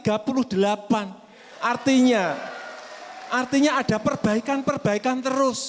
artinya artinya ada perbaikan perbaikan terus